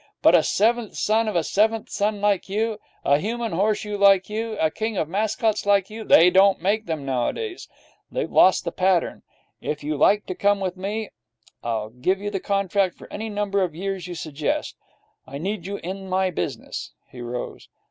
But a seventh son of a seventh son like you, a human horseshoe like you, a king of mascots like you they don't make them nowadays. They've lost the pattern. If you like to come with me I'll give you a contract for any number of years you suggest. I need you in my business.' He rose.